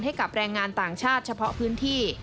ให้กับแรงงานต่างชาติเฉพาะพื้นที่